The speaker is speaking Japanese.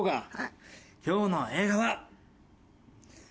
今日の映画は。